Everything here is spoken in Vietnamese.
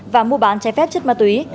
và mua bán trái phép chất ma túy